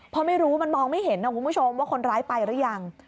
เพราะไม่รู้มันมองไม่เห็นนะคุณผู้ชมว่าคนร้ายไปหรือยัง